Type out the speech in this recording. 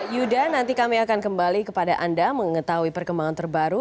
yuda nanti kami akan kembali kepada anda mengetahui perkembangan terbaru